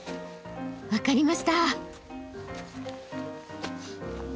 分かりました！